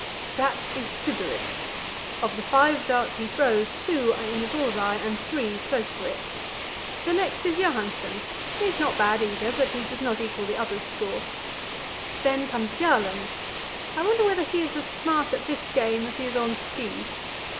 That is Stubberud; of the five darts he throws, two are in the bull's eye and three close to it. The next is Johansen; he is not bad, either, but does not equal the other's score. Then comes Bjaaland; I wonder whether he is as smart at this game as he is on ski?